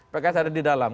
pk saya ada di dalam